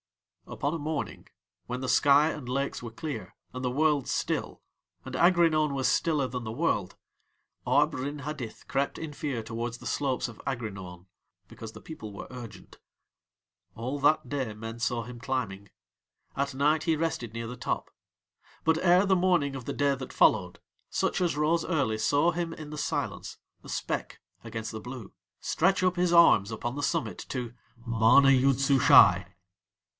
Upon a morning when the sky and lakes were clear and the world still, and Aghrinaun was stiller than the world, Arb Rin Hadith crept in fear towards the slopes of Aghrinaun because the people were urgent. All that day men saw him climbing. At night he rested near the top. But ere the morning of the day that followed, such as rose early saw him in the silence, a speck against the blue, stretch up his arms upon the summit to MANA YOOD SUSHAI.